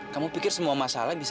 kamu pikir semua masalah bisa